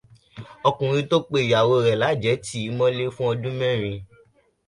Ọkùnrin tó pe ìyàwó rẹ̀ lájẹ̀ẹ́ tì í mọ́lé fọ́dún mẹ́rin.